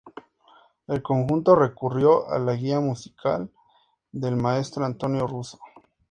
El conjunto recurrió a la guía musical del maestro Antonio Russo.